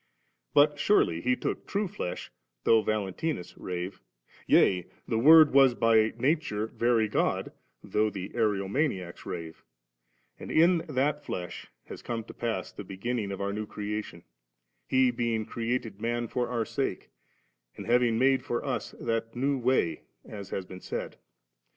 But surely He took true flesh, though VaJentinus rave; yea the Word was by nature Very God, though Ariomaniacs rave*; and in that flesh has come to pass the beginnings of our new creation, He being created man for our sake, and having made for us that new way, as has been said.